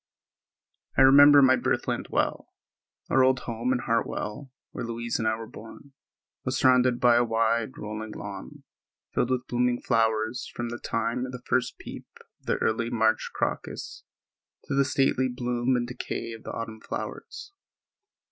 I remember my birthland well. Our old home in Hartwell, where Louise and I were born, was surrounded by a wide, rolling lawn, filled with blooming flowers from the time of the first peep of the early March crocus to the stately bloom and decay of the autumn flowers.